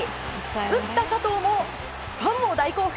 打った佐藤もファンも大興奮。